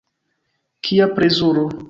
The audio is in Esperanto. Kia plezuro.